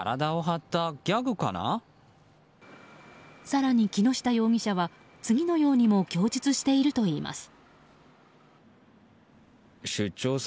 更に木下容疑者は次のようにも供述しているといいます。